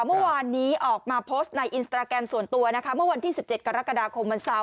เมื่อวานนี้ออกมาโพสต์ในอินสตราแกรมส่วนตัวนะคะเมื่อวันที่๑๗กรกฎาคมวันเสาร์